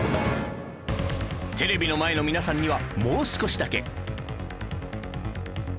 テレビの前の皆さんにはもう少しだけ